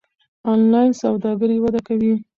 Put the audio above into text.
انلاین سوداګري وده کوي.